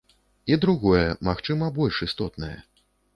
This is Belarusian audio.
І другое, магчыма, больш істотнае.